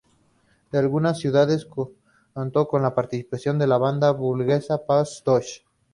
En algunas ciudades contó con la participación de la banda burlesca Pussycat Dolls.